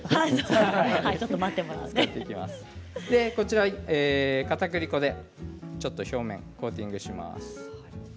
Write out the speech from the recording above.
こちら、かたくり粉でちょっと表面をコーティングします。